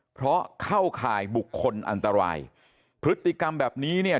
เพราะเข้าข่ายบุคคลอันตรายพฤติกรรมแบบนี้เนี่ย